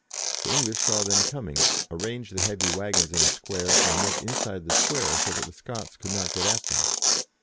The English saw them coming, arranged the heavy waggons in a square, and went inside the square, so that the Scots could not get at them.